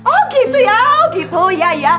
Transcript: oh gitu ya